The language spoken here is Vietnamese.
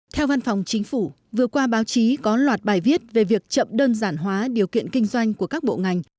theo văn phòng chính phủ vừa qua báo chí có loạt bài viết về việc chậm đơn giản hóa điều kiện kinh doanh của các bộ ngành